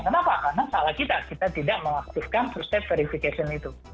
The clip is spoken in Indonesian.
kenapa karena salah kita kita tidak mengaktifkan step verification itu